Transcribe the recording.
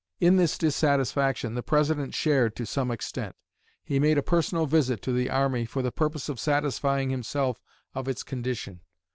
In this dissatisfaction the President shared to some extent. He made a personal visit to the army for the purpose of satisfying himself of its condition.